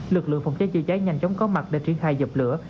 lực lượng phòng cháy chữa cháy nhanh chóng có mặt để triển khai dập lửa